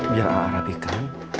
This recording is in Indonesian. biar a'a rapikan